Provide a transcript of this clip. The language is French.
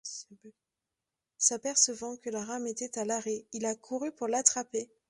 S'apercevant que la rame était à l'arrêt, il a couru pour l'attraper.